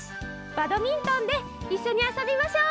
バドミントンでいっしょにあそびましょう！